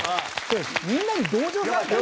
みんなに同情されてる。